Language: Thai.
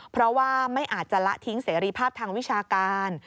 เพราะว่าไม่อาจจะละทิ้งเสรีภาพทางวิชาการ